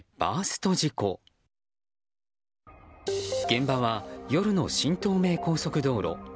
現場は夜の新東名高速道路。